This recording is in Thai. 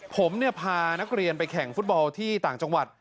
ผมพานักเรียนไปแข่งฟุตบอลที่ต่างจังหวัด